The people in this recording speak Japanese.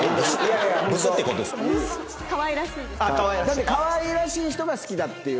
だってかわいらしい人が好きだっていう。